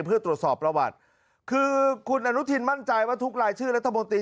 เพื่อตรวจสอบประวัติคือคุณอนุทินมั่นใจว่าทุกรายชื่อรัฐมนตรี